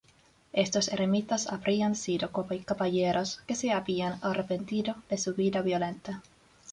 Estos eremitas habrían sido caballeros que se habían arrepentido de su vida violenta.